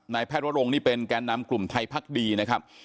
แพทย์วรงค์นี่เป็นแก่นำกลุ่มไทยพักดีนะครับ